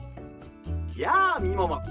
やあみもも！